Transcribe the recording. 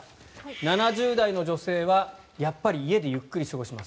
７０代の女性はやっぱり家でゆっくり過ごします。